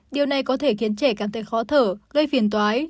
điều này có thể khiến trẻ cảm thấy khó thở gây phiền toái